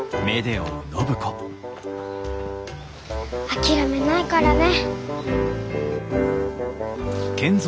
諦めないからね。